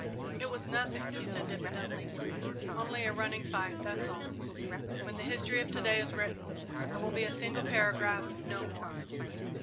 "It was nothing," he said diffidently, "only a running fight that's all. When the history of to day is written, it will be a single paragraph no more.